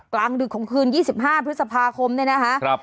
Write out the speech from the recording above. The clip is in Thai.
กลางดึกของคืน๒๕พฤษภาคมเนี่ยนะคะ